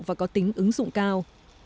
và có tính ứng dụng cao